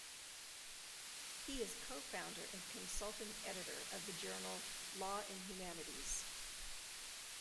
He is co-founder and consultant editor of the journal, "Law and Humanities".